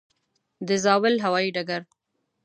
د زاول هوايي ډګر